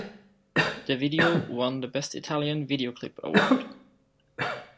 The video won the Best Italian Videoclip Award.